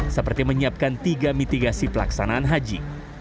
seperti menyiapkan tiga mitigasi pelaksanaan haji